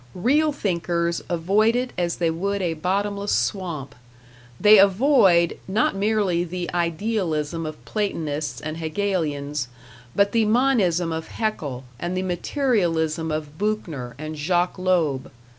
Real thinkers avoid it as they would a bottomless swamp; they avoid, not merely the idealism of Platonists and Hegelians, but the monism of Haeckel, and the materialism of Buechner and Jacques Loeb.